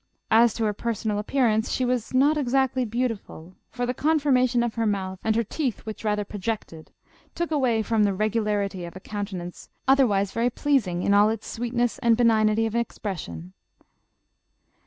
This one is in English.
As to her personal appearance, she " was not exactly beautiful ; for the conformation of her mouth, and her teeth which rather projected, took away from the regularity of a counte nance, otherwise very pleasing in all its sweetness and benignity of expression.